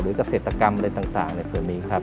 หรือกระเศษกรรมอะไรต่างในส่วนนี้ครับ